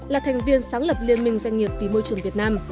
là thành viên sáng lập liên minh doanh nghiệp vì môi trường việt nam